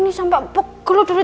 aku mau pergi dulu